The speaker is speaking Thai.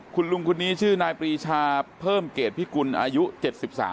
คุณลุงคนนี้ชื่อนายปรีชาเพิ่มเกรดพิกุลอายุ๗๓